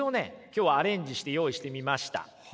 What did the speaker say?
今日はアレンジして用意してみました。